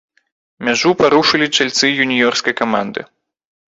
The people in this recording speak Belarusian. Мяжу парушылі чальцы юніёрскай каманды.